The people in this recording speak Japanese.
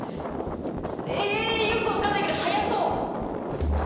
えよく分かんないけど速そう。